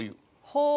はあ。